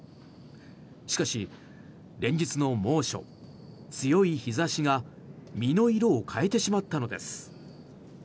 しかし、連日の猛暑強い日差しが実の色を変えてしまったのです。